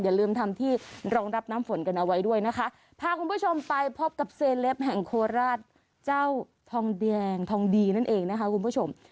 อย่าลืมทำที่รองรับน้ำฝนกันเอาไว้ด้วยนะคะพาคุณผู้ชมไปพบกับเซเลปแห่งโคราชเจ้าทองแดงทองดีนั่นเองนะคะคุณผู้ชม